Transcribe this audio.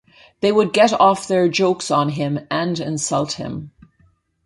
They would get off their jokes on him and insult him.